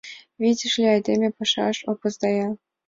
— Видишь ли, айдеме пашаш опоздая.